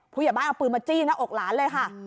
ผู้ใหญ่บ้านเอาปืนมาจี้หน้าอกหลานเลยค่ะ